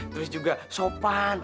terus juga sopan